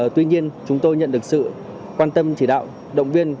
tuy nhiên chúng tôi nhận được sự quan tâm chỉ đạo động viên